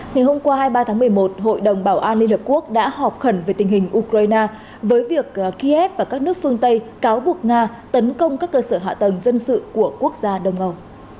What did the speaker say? ngày hôm qua hai mươi ba tháng một mươi một hội đồng bảo an liên hợp quốc đã họp khẩn về tình hình ukraine với việc kiev và các nước phương tây cáo buộc nga tấn công các cơ sở hạ tầng dân sự của quốc gia đông âu